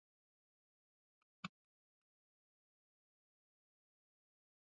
Kaka yangu ni mzuri.